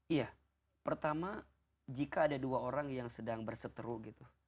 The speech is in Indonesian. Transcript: iya pertama jika ada dua orang yang sedang berseteru gitu